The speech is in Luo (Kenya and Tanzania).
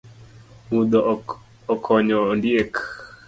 Mudho okonyo ondiek